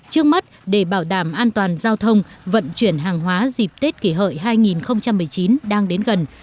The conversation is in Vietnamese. trước mắt để bảo đảm an toàn giao thông vận chuyển hàng hóa dịp tết kỷ hợi hai nghìn một mươi chín đang đến gần